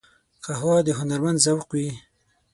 قهوه د هنرمند ذوق وي